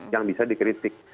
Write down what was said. yang bisa dikritik